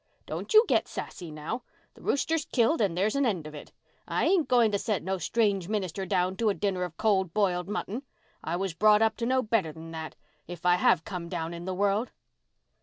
"Don't you get sassy now. The rooster's killed and there's an end of it. I ain't going to set no strange minister down to a dinner of cold b'iled mutton. I was brought up to know better than that, if I have come down in the world."